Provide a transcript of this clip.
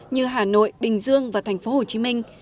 như hà nội bình dương và thành phố hồ chí minh